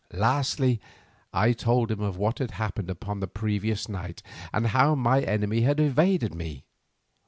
Lastly I told him of what had happened upon the previous night and how my enemy had evaded me.